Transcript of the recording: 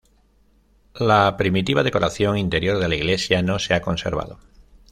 La primitiva decoración interior de la iglesia no se ha conservado.